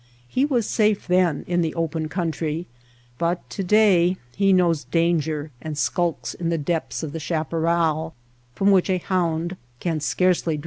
He was safe then in the open country, but to day he knows danger and skulks in the depths of the chaparral, from which a hound can scarcely drive him.